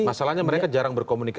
masalahnya mereka jarang berkomunikasi